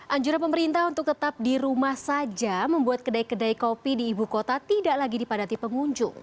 anjuran pemerintah untuk tetap di rumah saja membuat kedai kedai kopi di ibu kota tidak lagi dipadati pengunjung